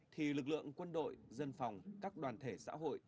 thì lực lượng quân đội dân phòng các đoàn thể xã hội